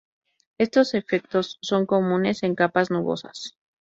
Estos efectos son comunes en capas nubosas.